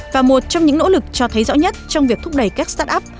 và một trong những nỗ lực cho thấy rõ nhất trong việc thúc đẩy các start up